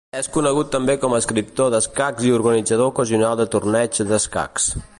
És conegut també com a escriptor d'escacs i organitzador ocasional de torneigs d'escacs.